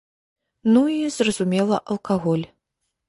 Ну і, зразумела, алкаголь.